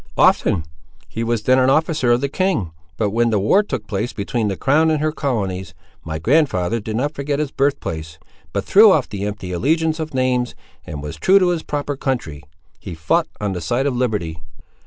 "Often! he was then an officer of the king; but when the war took place between the crown and her colonies, my grandfather did not forget his birthplace, but threw off the empty allegiance of names, and was true to his proper country; he fought on the side of liberty."